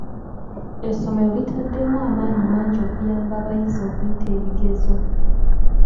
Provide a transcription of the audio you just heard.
Essomero litaddemu amaanyi mangi okuyamba abayizi okuyita ebigezo.